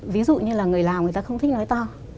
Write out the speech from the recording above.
ví dụ như là người làm người ta không thích nói to